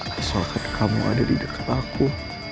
asalkan kamu ada di dekat aku